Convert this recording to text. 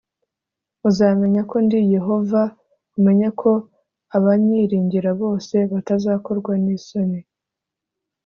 Uzamenya ko ndi Yehova, umenye ko abanyiringira bose batazakorwa n’ isoni